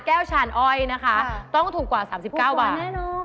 แก้วชานอ้อยต้องถูกกว่า๓๙บาท